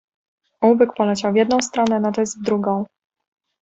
"Ołówek poleciał w jedną stronę, notes w drugą."